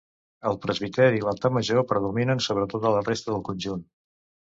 El presbiteri i l'altar major predominen sobre tota la resta del conjunt.